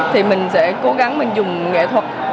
thì mình sẽ cố gắng mình dùng nghệ thuật